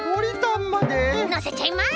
のせちゃいます！